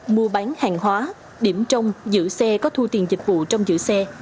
mua bán hàng hóa điểm trong giữ xe có thu tiền dịch vụ trong giữ xe